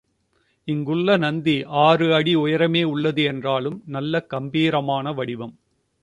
இங்குள்ள நந்தி ஆறு அடி உயரமே உள்ளது என்றாலும், நல்ல கம்பீரமான வடிவம்.